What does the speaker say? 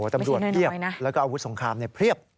ตำรวจเพียบแล้วก็อาวุธสงครามเพียบ